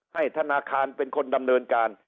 ธนาคารเป็นคนดำเนินการ